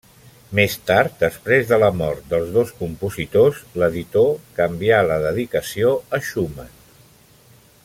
Més tard, després de la mort dels dos compositors, l'editor canvià la dedicació a Schumann.